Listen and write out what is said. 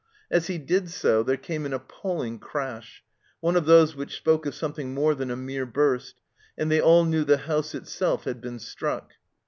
As he did so, there came an appalling crash, one of those w r hich spoke of something more than a mere burst, and they all knew the house itself had been struck.